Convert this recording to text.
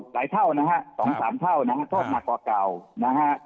เท่านะฮะ๒๓เท่านะฮะโทษหนักกว่าเก่านะฮะ